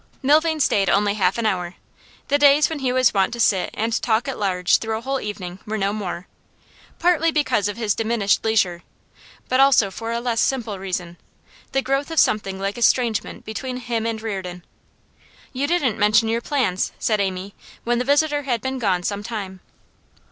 Milvain stayed only half an hour. The days when he was wont to sit and talk at large through a whole evening were no more; partly because of his diminished leisure, but also for a less simple reason the growth of something like estrangement between him and Reardon. 'You didn't mention your plans,' said Amy, when the visitor had been gone some time.